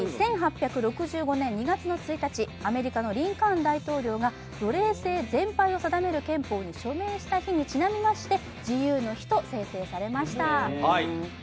１８６５年２月１日、アメリカのリンカーン大統領が奴隷制全廃を定める憲法に署名した日にちなみまして自由の日と制定されました。